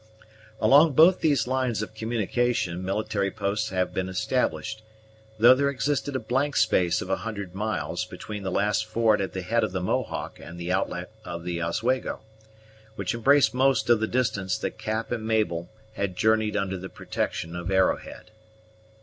Along both these lines of communication military posts had been established, though there existed a blank space of a hundred miles between the last fort at the head of the Mohawk and the outlet of the Oswego, which embraced most of the distance that Cap and Mabel had journeyed under the protection of Arrowhead.